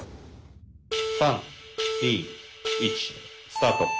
３２１スタート。